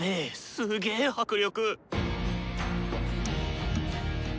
すげぇ迫力。